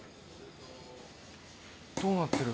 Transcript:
どうなってる？